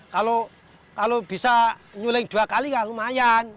kalau bisa nyuling dua kali ya lumayan